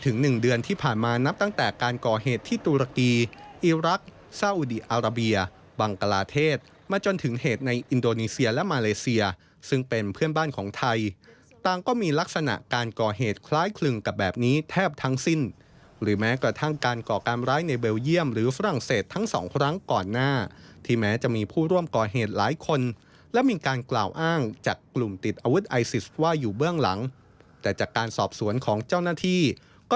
ถึง๑เดือนที่ผ่านมานับตั้งแต่การก่อเหตุที่ตุรกีอิรักซาวุดีอาราเบียบังกลาเทศมาจนถึงเหตุในอินโดนีเซียและมาเลเซียซึ่งเป็นเพื่อนบ้านของไทยต่างก็มีลักษณะการก่อเหตุคล้ายคลึงกับแบบนี้แทบทั้งสิ้นหรือแม้กระทั่งการก่อการร้ายในเบลเยี่ยมหรือฝรั่งเศสทั้งสองครั้งก